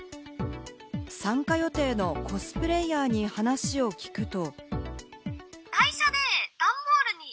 参加予定のコスプレイヤーに話を聞くと。